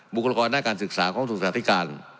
บุคลากรหน้าการศึกษาของศูนย์ศาสตร์ธิการ